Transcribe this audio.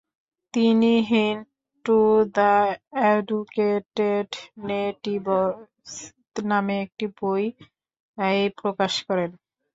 তিনি "hint to the educated natives" নামে একটি বইও প্রকাশ করেন।